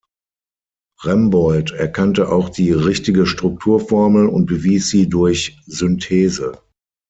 Rembold erkannte auch die richtige Strukturformel und bewies sie durch Synthese.